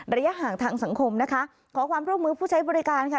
ระยะห่างทางสังคมนะคะขอความร่วมมือผู้ใช้บริการค่ะ